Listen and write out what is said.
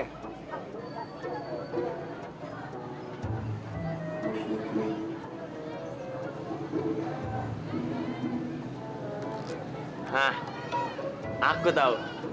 nah aku tahu